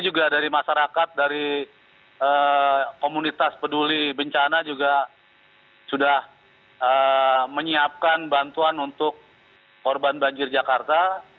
juga dari masyarakat dari komunitas peduli bencana juga sudah menyiapkan bantuan untuk korban banjir jakarta